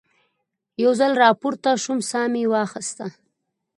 یو ځل را پورته شوم، ساه مې واخیسته.